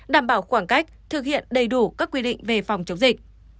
đảm bảo khoảng cách thực hiện đầy đủ các quy định về phòng chống dịch